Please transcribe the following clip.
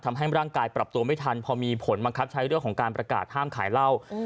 ทำให้ร่างกายปรับตัวไม่ทันพอมีผลบังคับใช้เรื่องของการประกาศห้ามขายเหล้า